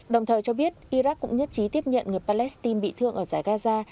đồng thời cho biết iraq cũng nhất trí tiếp nhận người palestine bị thương ở giải gaza